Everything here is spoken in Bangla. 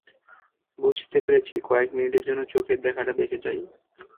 বুঝতে পেরেছি, কয়েক মিনিটের জন্য চোখের দেখাটা দেখে যাই?